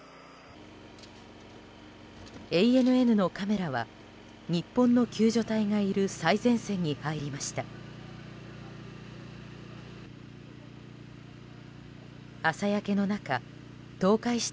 ＡＮＮのカメラは日本の救助隊がいる最前線に入りました。